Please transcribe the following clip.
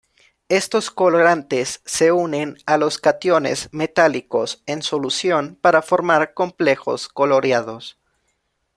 Estos colorantes se unen a los cationes metálicos en solución para formar complejos coloreados.